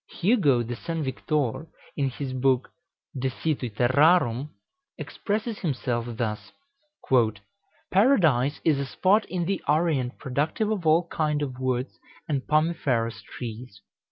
Hugo de St. Victor, in his book "De Situ Terrarum," expresses himself thus: "Paradise is a spot in the Orient productive of all kind of woods and pomiferous trees.